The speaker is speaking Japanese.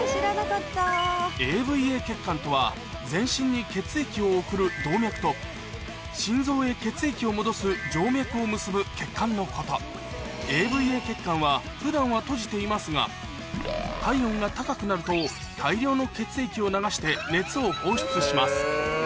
ＡＶＡ血管とは全身に血液を送る動脈と心臓へ血液を戻す静脈を結ぶ血管のことＡＶＡ血管は普段は閉じていますが体温が高くなると大量の血液を流して熱を放出します